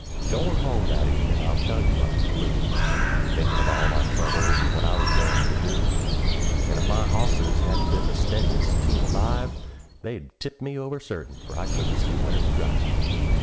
Goin' home that evenin' I tell you I was blue, Thinkin' of all my troubles, and what I was goin' to do; And if my hosses hadn't been the steadiest team alive, They'd 've tipped me over, certain, for I couldn't see where to drive.